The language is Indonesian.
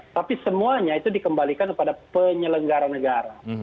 tapi semuanya itu dikembalikan kepada penyelenggara negara